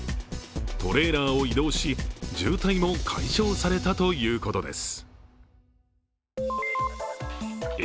トレーラーを移動し、渋滞も解消されたということです。